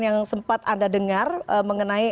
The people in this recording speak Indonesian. yang sempat anda dengar mengenai